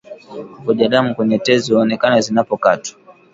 Kuvuja damu kwenye tezi huonekana zinapokatwa